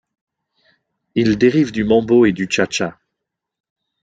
Il dérive du mambo et du Cha cha.